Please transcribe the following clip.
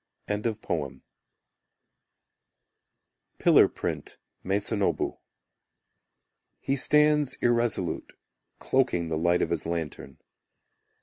Pillar Print, Masonobu He stands irresolute Cloaking the light of his lantern.